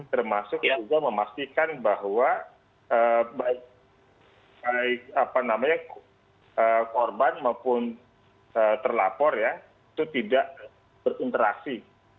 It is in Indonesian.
termasuk juga memastikan bahwa korban maupun terlapor ya itu tidak berinteraksi